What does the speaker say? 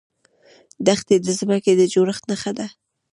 دښتې د ځمکې د جوړښت نښه ده.